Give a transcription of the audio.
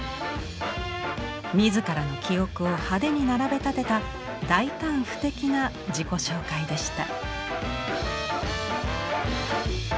自らの記憶を派手に並べ立てた大胆不敵な自己紹介でした。